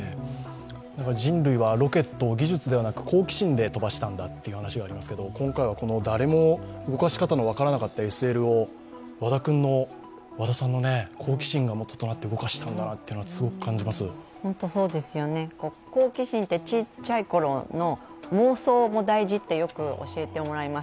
人類はロケットを技術ではなく好奇心で飛ばしたんだという話がありますけど、今回は誰も動かし方の分からなかったＳＬを和田さんの好奇心がもととなって動かしたんだなというのをそうですよね、好奇心ってちっちゃいころの妄想も大事ってよく教えてもらいます。